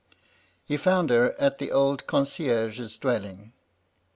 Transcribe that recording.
"He found her at the old concierge's dwelling.